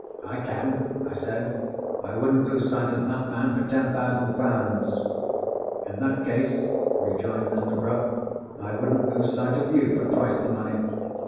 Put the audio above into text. "I can!" I said. "I wouldn't lose sight of that man for ten thousand pounds!" "In that case," rejoined Mr. Bruff, "I wouldn't lose sight of you, for twice the money.